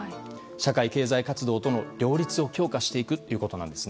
社会経済活動との両立を強化していくことです。